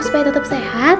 supaya tetap sehat